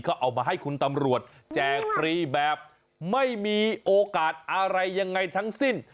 ก็เอามาให้คุณตำรวจแจกฟรีแบบไม่มีโอกาสอะไรยังไงทั้งสิ้น